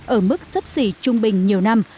ở mức sấp xỉ trung bình nhiều năm